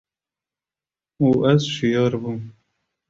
û ez şiyar bûm.